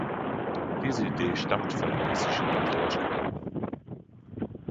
Diese Idee stammt von den russischen Matrioshka-Puppen.